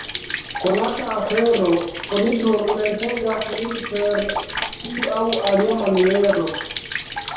Konata afero, oni turmentegas lin per tiu aŭ alia maniero.